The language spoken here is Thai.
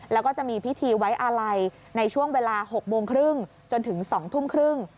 และจะมีพิธีไว้อะไรในช่วงเวลา๖๓๐จนถึง๒๓๐